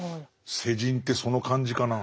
世人ってその感じかな。